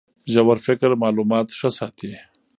ژور فکر معلومات ښه ساتي.